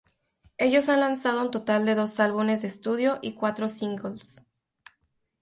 Ellos han lanzado un total de dos álbumes de estudio y cuatro singles.